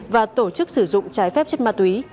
và tổ chức sử dụng trái phép chất ma túy